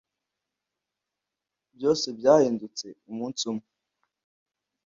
Byose byahindutse umunsi umwe